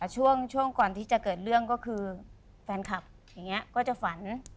ช่วงก่อนที่จะเกิดเรื่องก็คือแฟนคลับอย่างนี้ก็จะฝัน